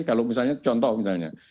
kalau misalnya contoh misalnya